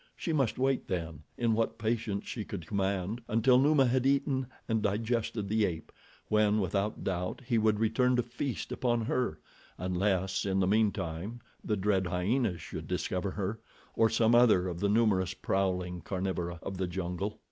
She must wait then, in what patience she could command, until Numa had eaten and digested the ape, when, without doubt, he would return to feast upon her, unless, in the meantime, the dread hyenas should discover her, or some other of the numerous prowling carnivora of the jungle.